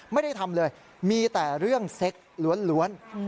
ไม่ได้ทำเลยมีแต่เรื่องเซ็กล้วน